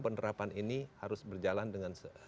penerapan ini harus berjalan dengan